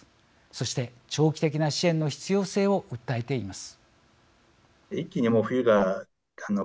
そして長期的な支援の必要性を訴えています。